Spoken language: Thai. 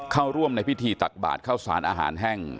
เข้าร่วมในพิธีตักบาทเข้าสารอาหารแห้ง